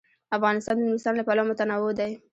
افغانستان د نورستان له پلوه متنوع دی.